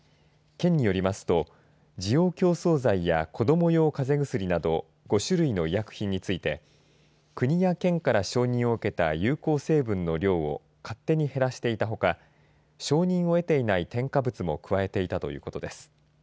県によりますと滋養強壮剤や子ども用かぜ薬など５種類の医薬品について国や県から承認を受けた有効成分の量を勝手に減らしていたほか承認を得ていない添加物も加えていたということです。